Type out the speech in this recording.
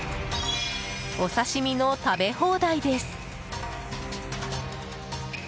お刺し身の食べ放題です。